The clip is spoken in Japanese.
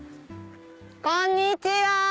こんにちは！